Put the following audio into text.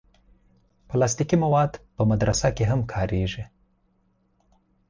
پلاستيکي مواد په مدرسه کې هم کارېږي.